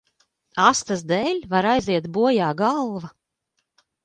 Astes dēļ var aiziet bojā galva.